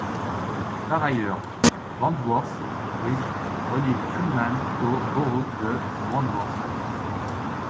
Par ailleurs, Wandsworth Bridge relie Fulham au borough de Wandsworth.